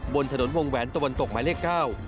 บนถนนวงแหวนตะวันตกหมายเลข๙